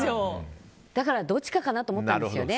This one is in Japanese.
だから、どっちかかなと思ったんですよね。